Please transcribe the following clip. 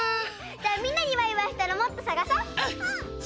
じゃあみんなにバイバイしたらもっとさがそ！